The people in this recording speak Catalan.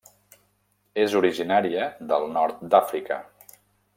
És originària del Nord d'Àfrica.